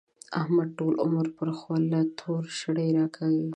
احمد ټول عمر پر خوله توره شړۍ راکاږي.